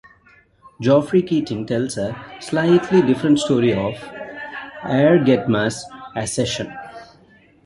Geoffrey Keating tells a slightly different story of Airgetmar's accession.